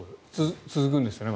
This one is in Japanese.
続くんですよね。